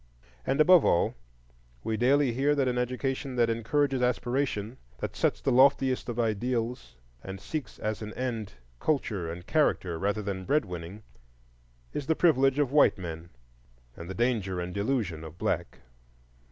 And above all, we daily hear that an education that encourages aspiration, that sets the loftiest of ideals and seeks as an end culture and character rather than bread winning, is the privilege of white men and the danger and delusion of black.